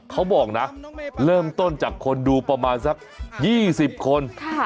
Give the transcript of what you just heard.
เขาบอกนะเริ่มต้นจากคนดูประมาณสัก๒๐คน